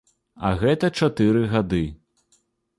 А гэта чатыры гады.